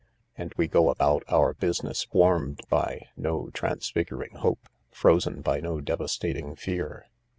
And we go about our business warmed by no transfiguring hope, frozen by no devastating fear.